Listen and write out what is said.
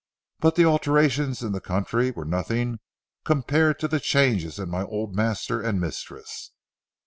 But the alterations in the country were nothing compared to the changes in my old master and mistress.